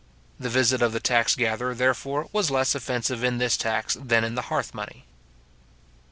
The visit of the tax gatherer, therefore, was less offensive in this tax than in the hearth money.